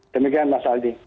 demikian mas aldi